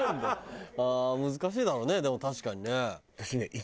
ああ難しいだろうねでも確かにね。